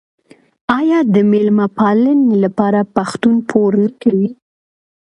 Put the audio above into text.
آیا د میلمه پالنې لپاره پښتون پور نه کوي؟